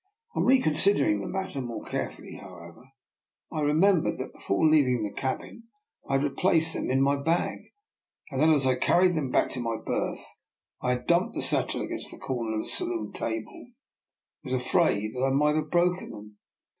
On reconsidering the matter more carefully, however, I remembered that before leaving the cabin I had replaced them in my bag, and that as I carried them back to my berth I had bumped the satchel against the corner of the saloon table and was afraid I might have broken them.